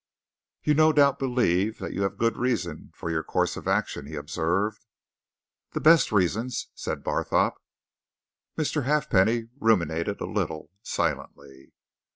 "You no doubt believe that you have good reason for your course of action," he observed. "The best reasons," said Barthorpe. Mr. Halfpenny ruminated a little, silently.